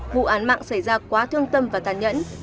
vụ án mạng xảy ra quá thương tâm và tàn nhẫn